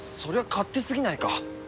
勝手すぎないか？